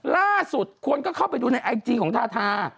ล่าสุดคนก็เข้าไปดูในไอจีของทาทา